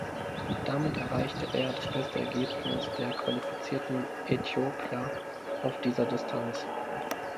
Damit erreichte er das beste Ergebnis der qualifizierten Äthiopier auf dieser Distanz.